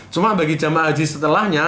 cuma bagi jemaah haji setelahnya